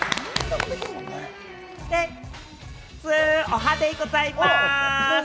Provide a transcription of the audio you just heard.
おはデイございます！